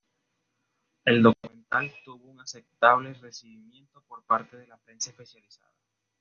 El documental tuvo un aceptable recibimiento por parte de la prensa especializada.